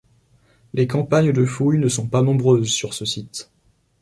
Les campagnes de fouilles ne sont pas nombreuses sur ce site.